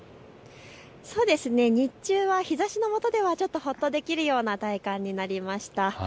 日中は日ざしのもとではほっとできるような体感になりました。